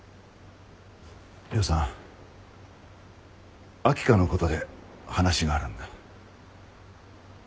亮さん秋香のことで話があるんだ。